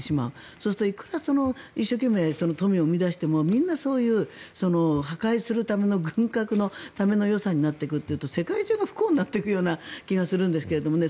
そうするといくら一生懸命富を生み出してもみんなそういう破壊するための軍拡のための予算になっていくとすると世界中が不幸になっていくような気がするんですけどね。